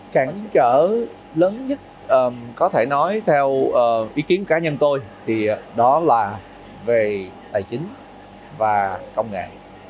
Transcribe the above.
cản trở lớn nhất có thể nói theo ý kiến cá nhân tôi thì đó là về tài chính và công nghệ